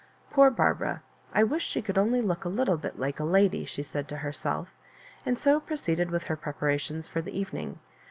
"Poor Barbara I I wish she could only look a little bit like a lady," she said to herself; and so proceeded with her pre parations for the evening.